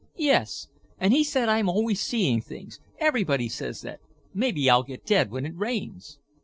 "Yes, and he said I'm always seeing things; everybody says that. Maybe I'll get dead when it rains."